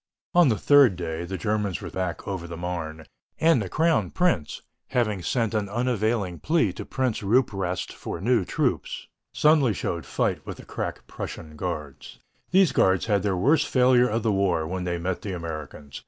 On the third day the Germans were thrown back over the Marne, and the crown prince, having sent an unavailing plea to Prince Rupprecht for new troops, suddenly showed fight with the crack Prussian guards. These guards had their worst failure of the war when they met the Americans.